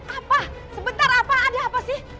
apa sebentar apa aja apa sih